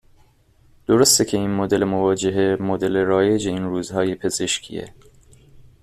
درسته که این مدل مواجهه، مدل رایج این روزهای پزشکیه